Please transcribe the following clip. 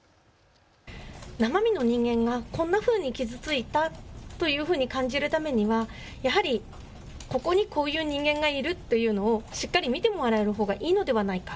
生身の人間がこんなふうに傷ついたというふうに感じるためにはここにこういう人間がいるというのをしっかり見てもらうのがいいのではないか。